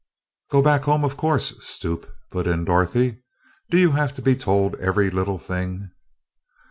"Go back home, of course, stupe," put in Dorothy, "do you have to be told every little thing?"